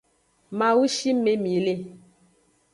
Mawu shime mi le.